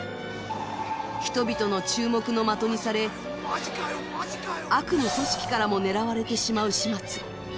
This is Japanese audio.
人々の注目の的にされ悪の組織からも狙われてしまう始末。